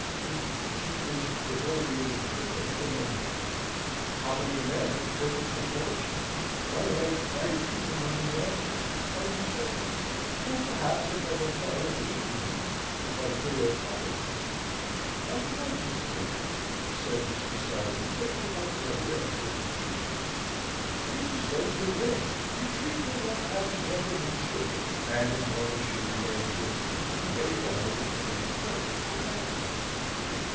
If Fortune is proverbially fickle to men at play, how many men are fickle to Fortune, run away frightened from her advances; and desert her, who, perhaps, had never thought of leaving them but for their cowardice. "By George, Mr. Warrington," said Mr. Selwyn, waking up in a rare fit of enthusiasm, "you deserve to win! You treat your luck as a gentleman should, and as long as she remains with you, behave to her with the most perfect politeness.